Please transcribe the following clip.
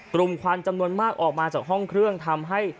ควันจำนวนมากออกมาจากห้องเครื่องทำให้